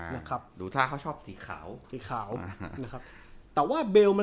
นะครับดูท่าเค้าชอบสีขาวสีขาวนะครับแต่ว่าเบลมันไม่ใช่ป้อมหา